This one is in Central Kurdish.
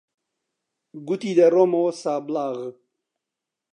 گوتی دەڕۆمەوە سابڵاغ.